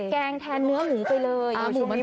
แกงแทนเนื้อหมูไปเลย